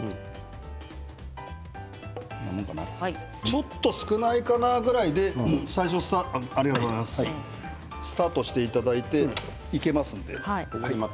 ちょっと少ないかなぐらいでスタートしていただいていけますので。